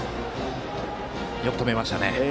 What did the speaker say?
よく止めましたね。